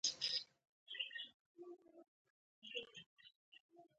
له خلکو سره صادق اوسه.